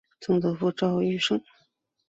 曾祖父赵愈胜。